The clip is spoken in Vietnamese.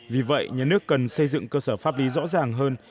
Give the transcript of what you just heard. vì vậy nhà nước cần xây dựng cơ sở pháp lý rõ ràng hơn